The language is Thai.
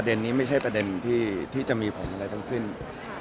แล้วมันมีที่ถึงไม่มีมือที่สามที่ผ่านมามันมีเก่าสาวไว้